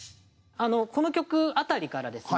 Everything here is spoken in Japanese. この曲辺りからですね